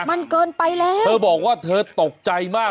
มันเกินไปแล้วเธอบอกว่าเธอตกใจมาก